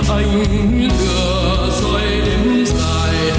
anh tựa xoay đến dài